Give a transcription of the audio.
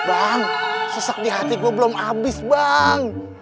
bang sesak di hati gue belum abis bang